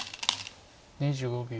２５秒。